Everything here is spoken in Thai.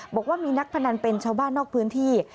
บอกว่ามีนักพนันเป็นชาวบ้านนอกพื้นที่